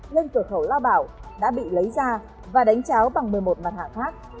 lên cửa khẩu lo bảo đã bị lấy ra và đánh cháo bằng một mươi một mặt hàng khác